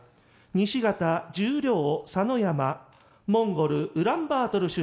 西方十両佐野山モンゴル・ウランバートル出身」。